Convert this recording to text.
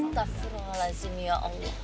astagfirullahaladzim ya allah